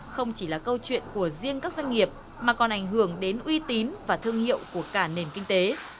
không chỉ là câu chuyện của riêng các doanh nghiệp mà còn ảnh hưởng đến uy tín và thương hiệu của cả nền kinh tế